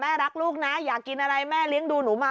รักลูกนะอยากกินอะไรแม่เลี้ยงดูหนูมา